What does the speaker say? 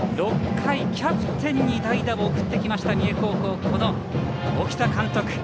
６回、キャプテンに代打を送ってきました三重高校の沖田監督。